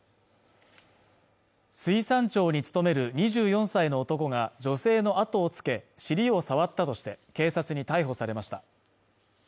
水産庁に勤める２４歳の男が女性のあとをつけ尻を触ったとして警察に逮捕されました